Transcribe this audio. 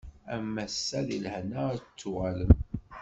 Am wass-a di lehna ad d-tuɣalem.